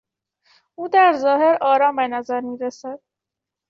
او در ظاهر آرام به نظر میرسد.